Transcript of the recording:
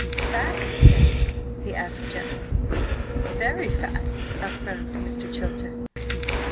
"Fat, you say?" he asked gently. "Very fat," affirmed Mr. Chilter.